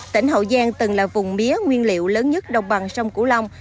tỉnh hậu giang từng là vùng mía nguyên liệu lớn nhất đồng bằng sông cửu long